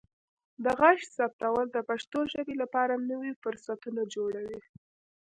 د غږ ثبتول د پښتو ژبې لپاره نوي فرصتونه جوړوي.